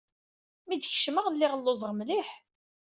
Mi d-kecmeɣ, lliɣ lluẓeɣ mliḥ.